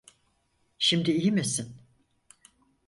Şimdi iyi misin?